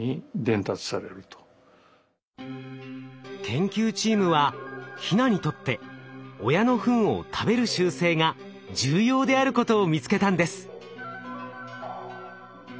研究チームはヒナにとって親のフンを食べる習性が重要であることを見つけたんです。